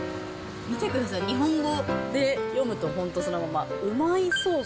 見てください、日本語で読むと、本当そのまま、うまいソース。